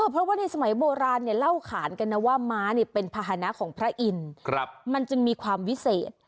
เพราะว่าในสมัยโบราณเนี่ยเล่าขานกันนะว่าม้าเป็นภาษณะของพระอินทร์มันจึงมีความวิเศษ